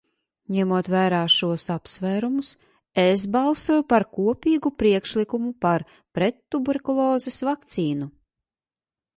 Ņemot vērā šos apsvērumus, es balsoju par kopīgu priekšlikumu par prettuberkulozes vakcīnu.